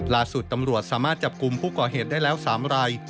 ล่าสุดตำรวจสามารถจับกลุ่มผู้ก่อเหตุได้แล้ว๓ราย